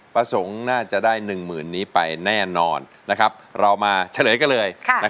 ประสงค์น่าจะได้๑๐๐๐นี้ไปแน่นอนเรามาเฉลยกันเลย